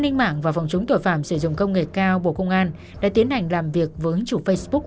đảng và phòng chống tiểu phạm sử dụng công nghệ cao bộ công an đã tiến hành làm việc với ứng chủ facebook